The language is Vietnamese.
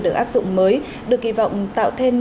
được áp dụng mới được kỳ vọng tạo thêm